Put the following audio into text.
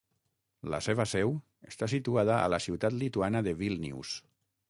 La seva seu està situada a la ciutat lituana de Vílnius.